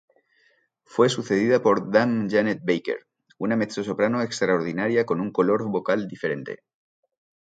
Fue sucedida por Dame Janet Baker, una mezzosoprano extraordinaria con un color vocal diferente.